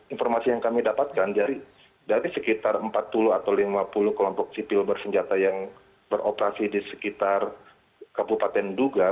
informasi yang kami dapatkan dari sekitar empat puluh atau lima puluh kelompok sipil bersenjata yang beroperasi di sekitar kabupaten duga